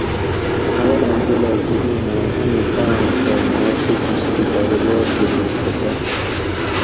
اولاں جولاگ تہ اِینوں امی پاۤنس دہ ماکہ کِشکہ کاروبار کۤروگ پکاۤر